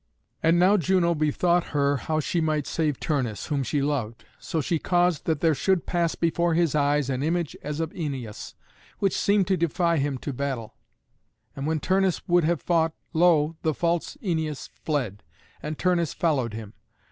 And now Juno bethought her how she might save Turnus, whom she loved. So she caused that there should pass before his eyes an image as of Æneas, which seemed to defy him to battle. And when Turnus would have fought, lo! the false Æneas fled, and Turnus followed him.